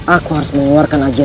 aku harus mencari kemampuan